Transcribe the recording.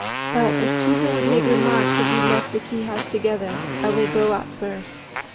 But, as people would make remarks if we left the tea house together, I will go out first."